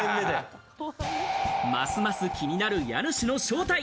ますます気になる家主の正体。